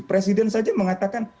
presiden saja mengatakan